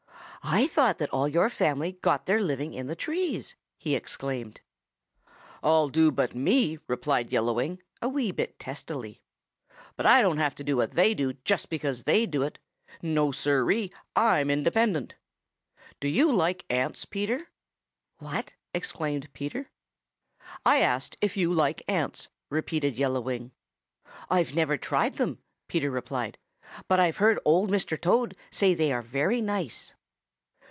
"I thought that all your family got their living in the trees!" he exclaimed. "All do but me," replied Yellow Wing a wee bit testily. "But I don't have to do what they do just because they do it. No, Siree, I'm independent! Do you like ants, Peter?" "What?" exclaimed Peter. "I asked if you like ants," repeated Yellow Wing. "I've never tried them," Peter replied, "but I've heard Old Mr. Toad say they are very nice."